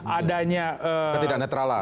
adanya ketidak netralan